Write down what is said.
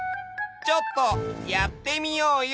ちょっとやってみようよ！